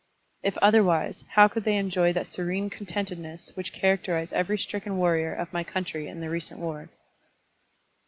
If otherwise, how cotdd they enjoy that serene contentedness which characterized every stricken warrior of my country in the recent war?